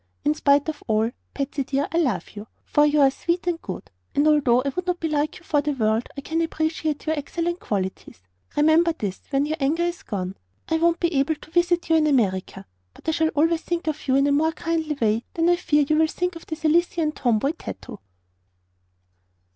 "In spite of all, Patsy dear, I love you; for you are sweet and good, and although I would not be like you for the world I can appreciate your excellent qualities. Remember this when your anger is gone. I won't be able to visit you in America, but I shall always think of you in a more kindly way than I fear you will think of the Sicilian tomboy, TATO."